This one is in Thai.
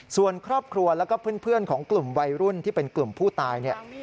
ส่วนครอบครัวแล้วก็เพื่อนของกลุ่มวัยรุ่นที่เป็นกลุ่มผู้ตายเนี่ย